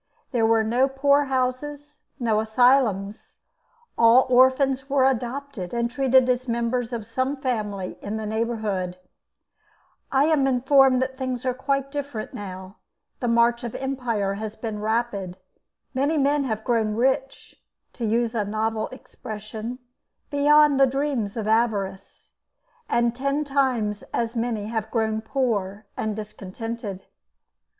There were no poor houses, no asylums. All orphans were adopted and treated as members of some family in the neighbourhood. I am informed that things are quite different now. The march of empire has been rapid; many men have grown rich, to use a novel expression, beyond the dreams of avarice, and ten times as many have grown poor and discontented.